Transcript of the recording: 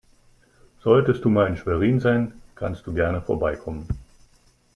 Solltest du mal in Schwerin sein, kannst du gerne vorbeikommen.